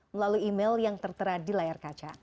melalui email yang tertera di layar kaca